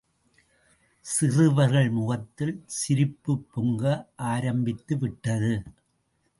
சிறுவர்கள் முகத்தில் சிரிப்புப் பொங்க ஆரம்பித்துவிட்டது.